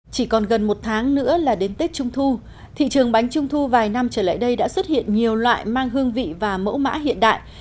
chỉ còn gần một tháng nữa là đến tết trung thu thị trường bánh trung thu vài năm trở lại đây đã xuất hiện nhiều loại mang hương vị và mẫu mã hiện đại